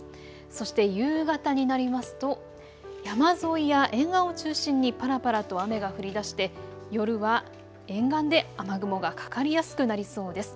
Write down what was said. そして夕方になりますと山沿いや沿岸を中心にぱらぱらと雨が降りだして夜は沿岸で雨雲がかかりやすくなりそうです。